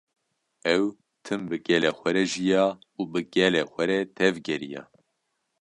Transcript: Ew tim bi gelê xwe re jiya û bi gelê xwe re tevgeriya